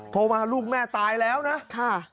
โทรมาลูกแม่ตายแล้วนะค่ะ